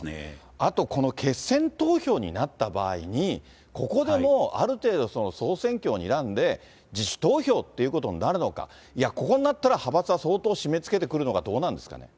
あとこの決選投票になった場合に、ここでもうある程度、総選挙をにらんで自主投票っていうことになるのか、いや、ここになったら派閥は相当締めつけてくるのか、どうなんですかね。